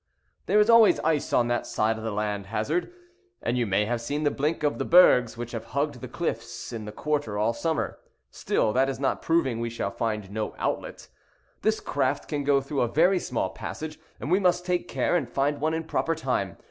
"There is always ice on that side of the land, Hazard, and you may have seen the blink of the bergs which have hugged the cliffs in that quarter all summer. Still, that is not proving we shall find no outlet. This craft can go through a very small passage, and we must take care and find one in proper time.